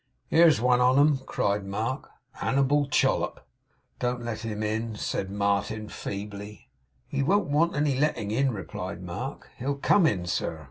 'Here's one on 'em,' cried Mark, 'Hannibal Chollop.' 'Don't let him in,' said Martin, feebly. 'He won't want any letting in,' replied Mark. 'He'll come in, sir.